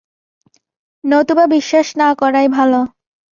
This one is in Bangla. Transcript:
নতুবা বিশ্বাস না করাই ভাল।